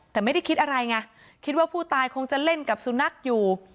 แต่ไม่ได้คิดอะไรไงคิดว่าผู้ตายคงจะเล่นกับสุนัขอยู่